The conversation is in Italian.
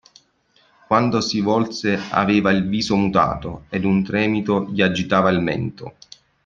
Quando si volse aveva il viso mutato, ed un tremito gli agitava il mento.